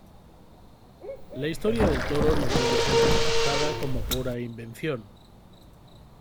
La historia del toro no puede ser descartada como pura invención.